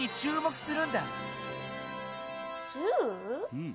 うん。